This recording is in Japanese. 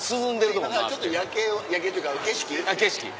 今からちょっと夜景夜景っていうか景色。